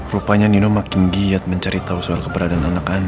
rupanya nino makin giat mencari tahu soal keberadaan anak anak